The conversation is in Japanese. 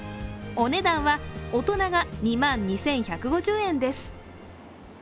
お値段は大人が２万２１５０円です。